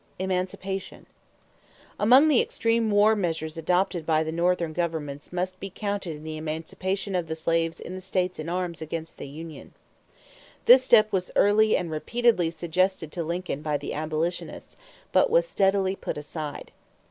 =Emancipation.= Among the extreme war measures adopted by the Northern government must be counted the emancipation of the slaves in the states in arms against the union. This step was early and repeatedly suggested to Lincoln by the abolitionists; but was steadily put aside.